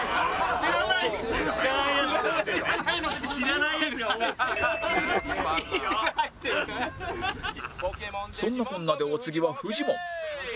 そんなこんなでお次はフジモン